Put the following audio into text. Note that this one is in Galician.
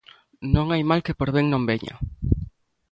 Non hai mal que por ben non veña...